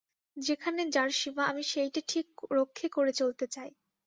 যেখানে যার সীমা আমি সেইটে ঠিক রক্ষে করে চলতে চাই।